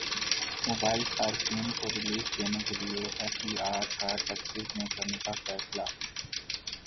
mobile صارفین کو relief دینے کیلئے ایف بی ار کا ٹیکسز میں کمی کا فیصلہ